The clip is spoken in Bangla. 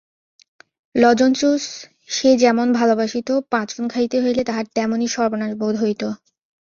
লজঞ্জুস সে যেমন ভালোবাসিত পাঁচন খাইতে হইলে তাহার তেমনি সর্বনাশ বোধ হইত।